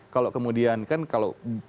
kalau kemudian kan kalau